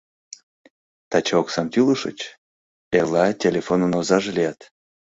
Таче оксам тӱлышыч — эрла телефонын озаже лият.